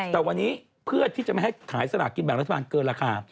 แต่วันนี้เพื่อที่จะไม่ให้ขายสลากกินแบ่งรัฐบาลเกินราคา